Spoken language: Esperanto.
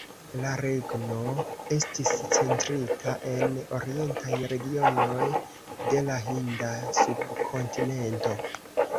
La regno estis centrita en orientaj regionoj de la Hinda Subkontinento.